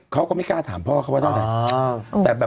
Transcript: เขาก็ไม่กล้าถามพ่อเขาว่าต้องทำอะไร